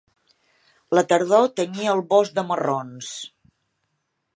La tardor tenyia el bosc de marrons.